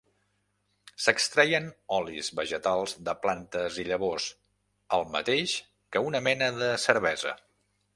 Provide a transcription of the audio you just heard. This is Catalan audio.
S'extreien olis vegetals de plantes i llavors, el mateix que una mena de cervesa.